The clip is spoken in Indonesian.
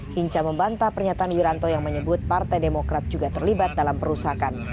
hinca membantah pernyataan wiranto yang menyebut partai demokrat juga terlibat dalam perusahaan